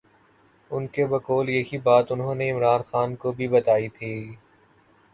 ان کے بقول یہی بات انہوں نے عمران خان کو بھی بتائی تھی۔